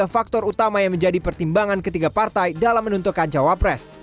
faktor utama yang menjadi pertimbangan ketiga partai dalam menentukan cawapres